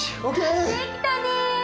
できたね。